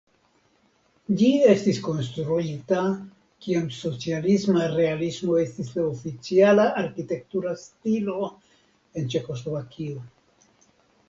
Ĝi estis konstruita kiam socialisma realismo estis la oficiala arkitektura stilo en Ĉeĥoslovakio.